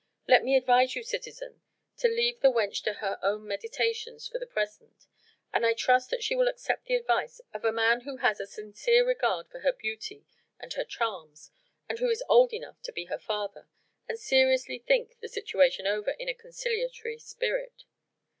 Let me advise you, citizen, to leave the wench to her own meditations for the present, and I trust that she will accept the advice of a man who has a sincere regard for her beauty and her charms and who is old enough to be her father, and seriously think the situation over in a conciliatory spirit.